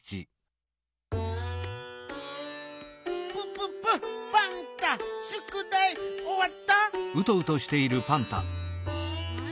プププパンタしゅくだいおわった？え？